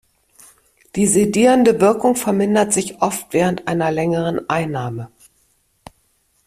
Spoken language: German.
Die sedierende Wirkung vermindert sich oft während einer längeren Einnahme.